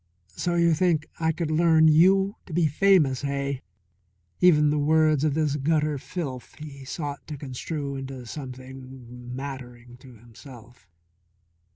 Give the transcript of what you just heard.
"So you think I could learn you to be famous, hey?" Even the words of this gutter filth he sought to construe into something nattering to himself.